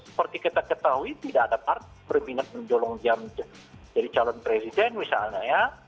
seperti kita ketahui tidak ada partai berminat menjolong diam jadi calon presiden misalnya ya